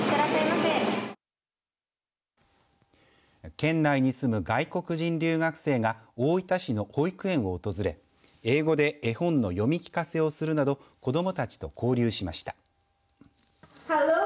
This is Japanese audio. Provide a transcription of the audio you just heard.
県内に住む外国人留学生が大分市の保育園を訪れ英語で絵本の読み聞かせをするなど子どもたちと交流しました。